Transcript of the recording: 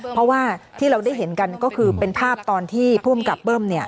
เพราะว่าที่เราได้เห็นกันก็คือเป็นภาพตอนที่ภูมิกับเบิ้ม